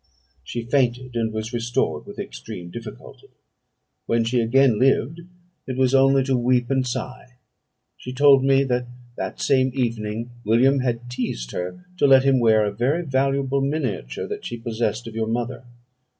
"She fainted, and was restored with extreme difficulty. When she again lived, it was only to weep and sigh. She told me, that that same evening William had teased her to let him wear a very valuable miniature that she possessed of your mother.